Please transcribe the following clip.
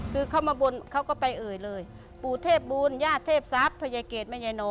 คือเขามาบนเขาก็ไปเอ่ยเลยปู่เทพบูลญาติเทพทรัพย์พยายเกดแม่ยายโน